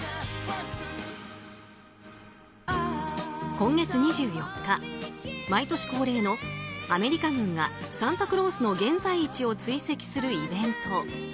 今月２４日毎年恒例のアメリカ軍がサンタクロースの現在位置を追跡するイベント。